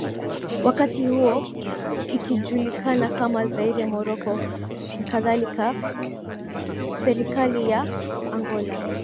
wakati huo ikijulikana kama Zaire Moroko nk Serikali ya Angola